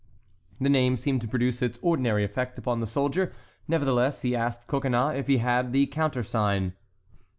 The name seemed to produce its ordinary effect upon the soldier; nevertheless he asked Coconnas if he had the countersign.